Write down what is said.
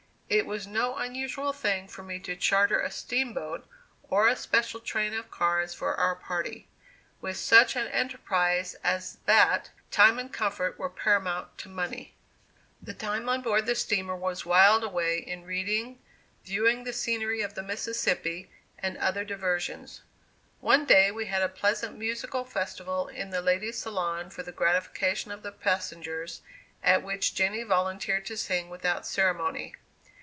It was no unusual thing for me to charter a steamboat or a special train of cars for our party. With such an enterprise as that, time and comfort were paramount to money. The time on board the steamer was whiled away in reading, viewing the scenery of the Mississippi, and other diversions. One day we had a pleasant musical festival in the ladies' saloon for the gratification of the passengers, at which Jenny volunteered to sing without ceremony.